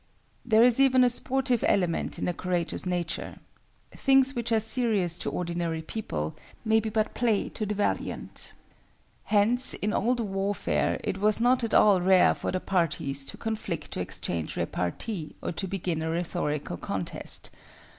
There is even a sportive element in a courageous nature. Things which are serious to ordinary people, may be but play to the valiant. Hence in old warfare it was not at all rare for the parties to a conflict to exchange repartee or to begin a rhetorical contest.